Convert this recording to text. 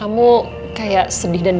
udah kayak g feeds dong